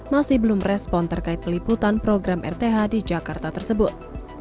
masih belum respon terkait peliputan program rth di jakarta tersebut